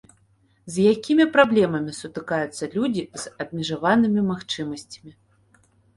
З якімі праблемамі сутыкаюцца людзі з абмежаванымі магчымасцямі?